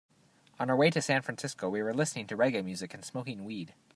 On our way to San Francisco, we were listening to reggae music and smoking weed.